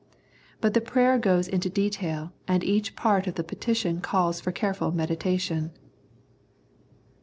But the prayer goes into detail and each part of the petition calls for careful meditation.